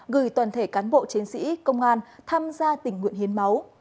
gửi toàn thể cán bộ chiến sĩ công an tham gia tình nguyện hiến máu